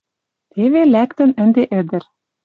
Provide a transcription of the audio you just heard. Теве лӓктӹн ӹнде ӹдӹр